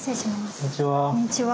こんにちは。